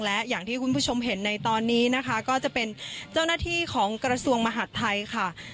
และอย่างที่คุณผู้ชมเห็นในตอนนี้นะคะก็จะเป็นเจ้าหน้าที่ของกระทรวงมหาดไทยค่ะ